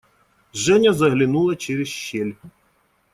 Женя заглянула через щель.